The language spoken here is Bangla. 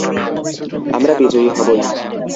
আমরা বিজয়ী হবই।